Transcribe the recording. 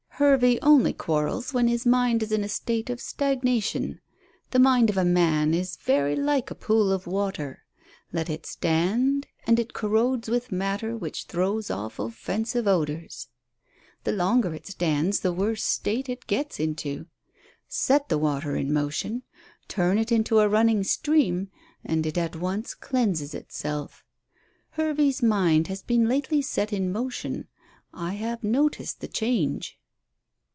"Hervey only quarrels when his mind is in a state of stagnation. The mind of a man is very like a pool of water. Let it stand, and it corrodes with matter which throws off offensive odours. The longer it stands the worse state it gets into. Set the water in motion, turn it into a running stream, and it at once cleanses itself. Hervey's mind has been lately set in motion. I have noticed the change."